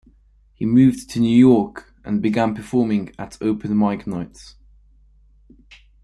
He moved to New York and began performing at open mic nights.